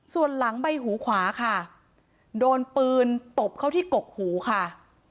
ส่วนหลังใบหูขวาค่ะโดนปืนตบเข้าที่กกหูค่ะ